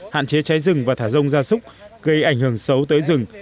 hạn chế cháy rừng và thả rông gia súc gây ảnh hưởng xấu tới rừng